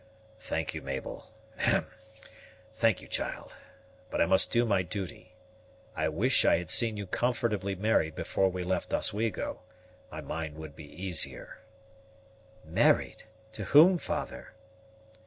"Thank you, Mabel hem thank you, child; but I must do my duty. I wish I had seen you comfortably married before we left Oswego; my mind would be easier." "Married! to whom, father?"